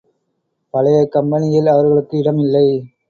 பழைய கம்பெனியில் அவர்களுக்கு இடம் இல்லை.